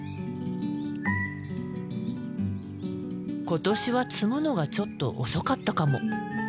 今年は摘むのがちょっと遅かったかも。